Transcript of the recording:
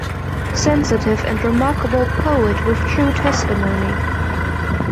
Sensitive and remarkable poet with true testimony.